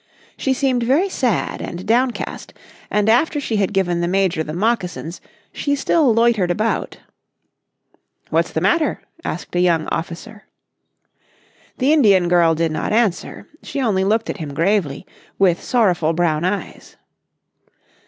She seemed very sad and downcast, and after she had given the Major the moccasins she still loitered about. "What's the matter?" asked a young officer. The Indian girl did not answer, she only looked at him gravely with sorrowful brown eyes.